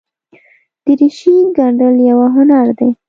دریشي ګنډل یوه هنر دی.